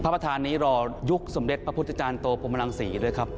พระพระธานนี้รอยุคสมเด็จพระพุทธอาจารย์โตปมรังศรีเลยครับ